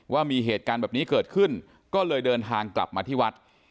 ว่ามีเหตุการณ์แบบนี้เกิดขึ้นก็เลยเดินทางกลับมาที่วัด